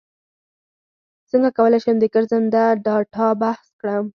څنګه کولی شم د ګرځنده ډاټا بچت کړم